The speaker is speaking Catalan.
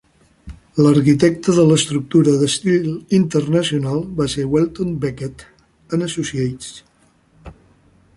L'arquitecte de l'estructura d'estil internacional va ser Welton Becket and Associates.